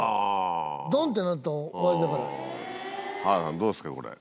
どうですかこれ。